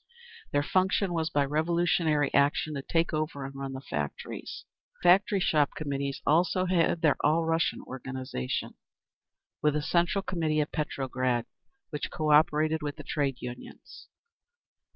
Their function was by revolutionary action to take over and run the factories. The Factory Shop Committees also had their All Russian organisation, with a Central Committee at Petrograd, which co operated with the Trade Unions.